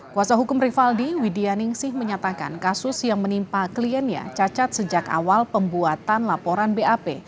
kuasa hukum rivaldi widya ningsih menyatakan kasus yang menimpa kliennya cacat sejak awal pembuatan laporan bap